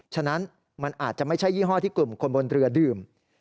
ฉะนั้นมันอาจจะไม่ใช่ยี่ห้อที่กลุ่มคนบนเรือดื่ม